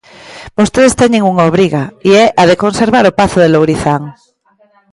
Vostedes teñen unha obriga, e é a de conservar o pazo de Lourizán.